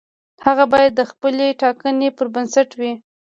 هغه باید د خپلې ټاکنې پر بنسټ وي.